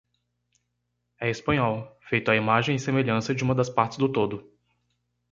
É espanhol, feito à imagem e semelhança de uma das partes do todo.